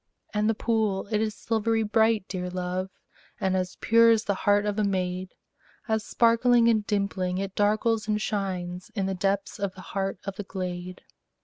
And the pool, it is silvery bright, dear love, And as pure as the heart of a maid, As sparkling and dimpling, it darkles and shines In the depths of the heart of the glade.